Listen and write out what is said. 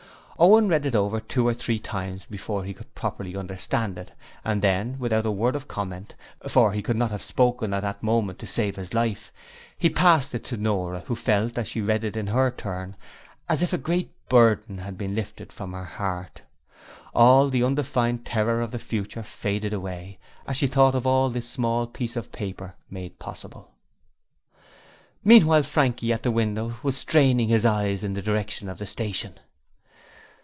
Owen read it over two or three times before he could properly understand it and then, without a word of comment for he could not have spoken at that moment to save his life he passed it to Nora, who felt, as she read it in her turn, as if a great burden had been lifted from her heart. All the undefined terror of the future faded away as she thought of all this small piece of paper made possible. Meanwhile, Frankie, at the window, was straining his eyes in the direction of the station.